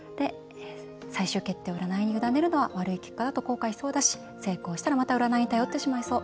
「最終決定を占いに委ねるのは悪い結果だと後悔しそうだし成功したらまた占いに頼ってしまいそう。